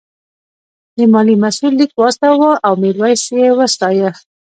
د مالیې مسوول لیک واستاوه او میرويس یې وستایه.